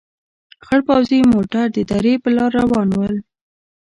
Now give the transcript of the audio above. خړ پوځي موټر د درې په لار روان ول.